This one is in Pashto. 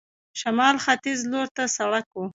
شمال ختیځ لور ته سړک و.